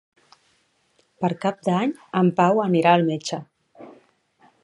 Per Cap d'Any en Pau anirà al metge.